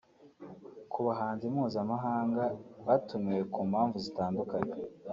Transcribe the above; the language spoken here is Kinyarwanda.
Ku bahanzi mpuzamahanga batumiwe ku mpamvu zitandukanye